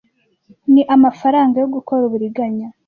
Ni amafaranga yo gukora uburiganya.